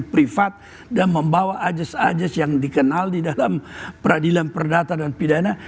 privat dan membawa ajas ajes yang dikenal di dalam peradilan perdata dan pidana